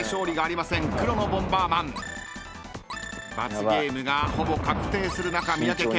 ［罰ゲームがほぼ確定する中三宅健